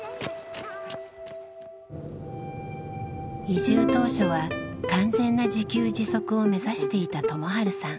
移住当初は完全な自給自足を目指していた友治さん。